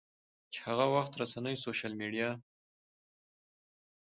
چې هغه وخت رسنۍ، سوشل میډیا